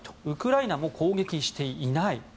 ウクライナも攻撃していない。